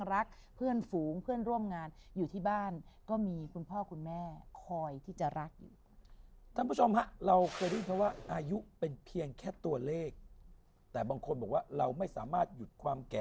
แต่เคยได้ยินพระเจ้าหน้าสีบอกใส่หัว